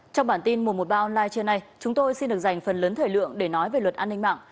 trong bản tin mùa một bao online trưa nay chúng tôi xin được dành phần lớn thời lượng để nói về luật an ninh mạng